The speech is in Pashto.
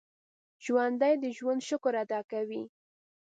ژوندي د ژوند شکر ادا کوي